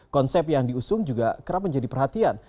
konsep yang diusung juga kerap menjadi perhatian